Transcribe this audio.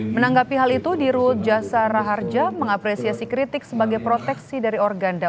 menanggapi hal itu di rut jasara harja mengapresiasi kritik sebagai proteksi dari organda